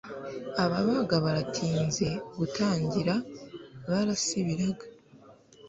ababaga baratinze gutangira barasibiraga